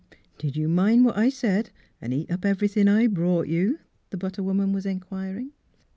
" Did yoii mind what I said — 'n' eat up every thin' I brought you.'^ " the but ter woman was inquiring.